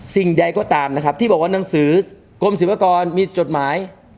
สิ่งใดก็ตามนะครับที่บอกว่าหนังสือกรมศิลปากรมีจดหมาย